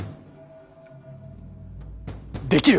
できる！